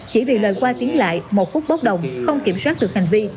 chỉ vì lời qua tiếng lại một phút bốc đồng không kiểm soát được hành vi